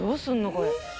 これ。